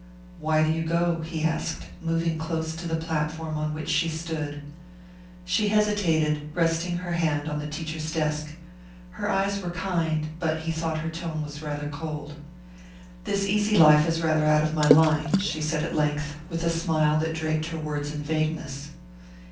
"Why do you go?" he asked, moving close to the platform on which she stood. She hesitated, resting her hand on the teacher's desk. Her eyes were kind, but he thought her tone was cold. "This easy life is rather out of my line," she said at length, with a smile that draped her words in vagueness.